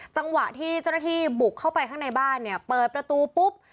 จังหวะที่เจ้าหน้าที่บุกเข้าไปข้างในบ้านเนี่ยเปิดประตูปุ๊บ